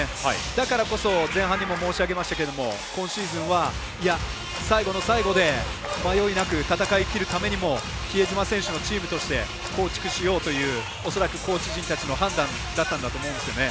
だからこそ、前半にも申し上げましたけれども今シーズンは最後の最後で迷いなく戦いきるためにも比江島選手のチームとして構築しようというおそらくコーチ陣の判断だったんだと思うんですよね。